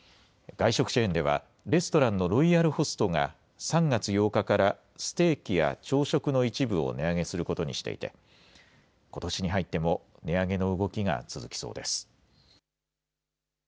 外食チェーンでは、レストランのロイヤルホストが、３月８日からステーキや朝食の一部を値上げすることにしていて、ことしに入っても値上げの動きが続きそうです。